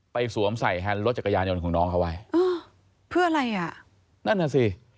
ไปสวมใส่หันรถจักรยานยนต์ของน้องเขาไว้เพื่ออะไรนั่นสิ